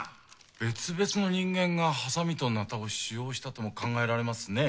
別々の人間がハサミと鉈を使用したとも考えられますね。